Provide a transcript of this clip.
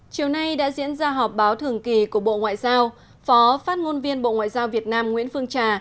chiều nay đã diễn ra họp báo thường kỳ của bộ ngoại giao phó phát ngôn viên bộ ngoại giao việt nam nguyễn phương trà